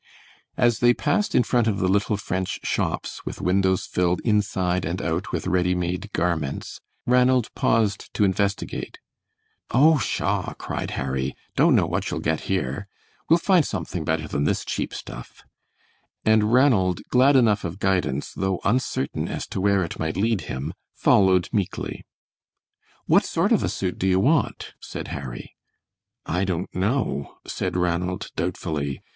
As they passed in front of the little French shops, with windows filled inside and out with ready made garments, Ranald paused to investigate. "Oh! pshaw," cried Harry, "don't know what you'll get here. We'll find something better than this cheap stuff," and Ranald, glad enough of guidance, though uncertain as to where it might lead him, followed meekly. "What sort of a suit do you want?" said Harry. "I don't know," said Ranald, doubtfully.